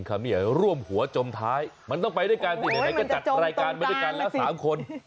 ว้าวมันจะจมตรงกลาง